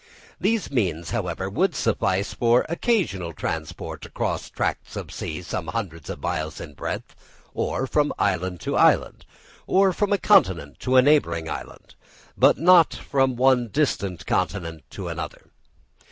These means, however, would suffice for occasional transport across tracts of sea some hundred miles in breadth, or from island to island, or from a continent to a neighbouring island, but not from one distant continent to another.